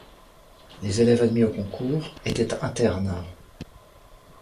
Les élèves admis au concours étaient internes.